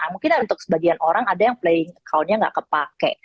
mungkin untuk sebagian orang ada yang playing accountnya nggak kepake